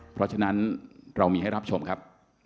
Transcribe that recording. เพราะฉะนั้นเรามีให้รับชมครับ